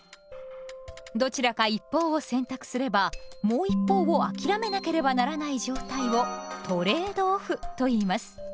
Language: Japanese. どちらか一方を選択すればもう一方を諦めなければならない状態をトレード・オフといいます。